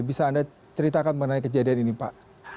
bisa anda ceritakan mengenai kejadian ini pak